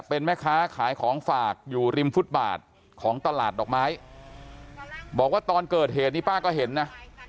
เป็นแม่ค้าขายของฝากอยู่ริมฟุตบาทของตลาดดอกไม้บอกว่าตอนเกิดเหตุนี้ป้าก็เห็นนะ